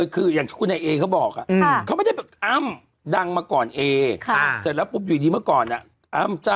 คู่รักดารา